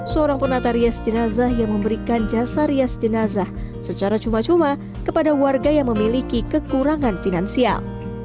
seorang penata rias jenazah yang memberikan jasa rias jenazah secara cuma cuma kepada warga yang memiliki kekurangan finansial